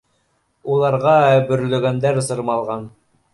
Уларға бөрлөгәндәр сырмалған